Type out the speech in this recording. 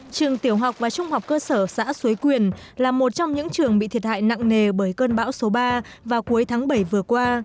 trường tiểu học và trung học cơ sở xã xuế quyền là một trong những trường bị thiệt hại nặng nề bởi cơn bão số ba vào cuối tháng bảy vừa qua